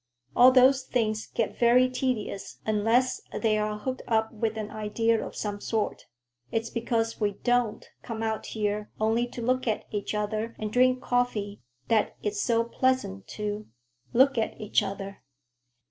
All those things get very tedious unless they are hooked up with an idea of some sort. It's because we don't come out here only to look at each other and drink coffee that it's so pleasant to—look at each other."